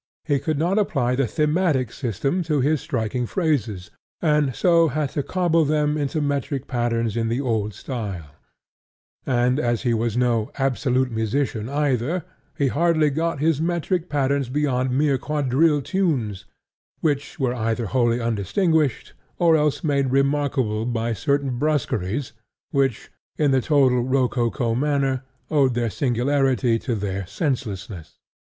He could not apply the thematic system to his striking phrases, and so had to cobble them into metric patterns in the old style; and as he was no "absolute musician" either, he hardly got his metric patterns beyond mere quadrille tunes, which were either wholly undistinguished, or else made remarkable by certain brusqueries which, in the true rococo manner, owed their singularity to their senselessness.